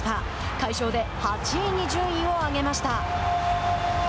快勝で８位に順位を上げました。